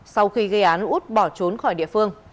sau khi gây án út bỏ trốn khỏi địa phương